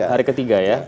hari ke tiga ya